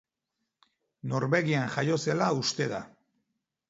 Norbegian jaio zela uste da.